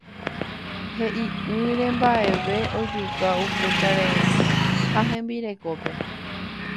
he'i'ỹre mba'evete ojuka upe karaimi ha hembirekópe.